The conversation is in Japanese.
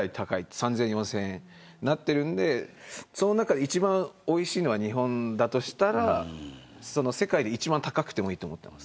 ３０００円４０００円になってるんでその中で、一番おいしいのは日本だとしたら世界で一番高くてもいいと思っています。